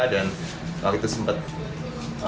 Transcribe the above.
dan waktu itu semakin banyak yang mencintai persebaya